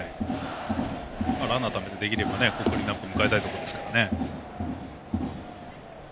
ランナーためてできれば、クリーンアップを迎えたいところですからね。